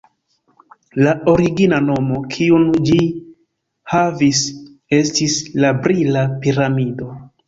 La origina nomo kiun ĝi havis estis: «La brila piramido».